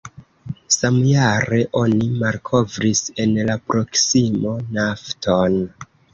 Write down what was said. Samjare, oni malkovris en la proksimo nafton.